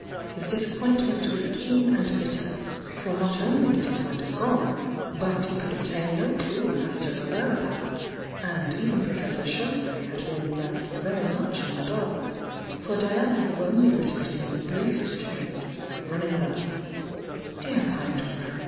His disappointment was keen and bitter, for not only did he find her gone, but he could obtain no clue as to her whereabouts. And even Professor Chauvet had been left very much in tiie dark, for Diana had only written him the briefest note, running thus; "Dear Kind Friend!